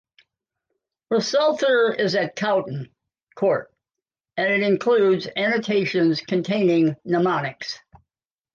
Her psalter is at Coughton Court and it includes annotations containing mnemonics.